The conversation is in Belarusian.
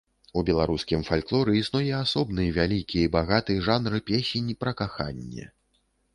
У беларускім фальклоры існуе асобны вялікі і багаты жанр песень пра каханне.